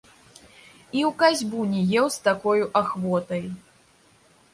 І ў касьбу не еў з такою ахвотай.